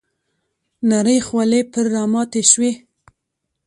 نرۍ خولې پر راماتې شوې .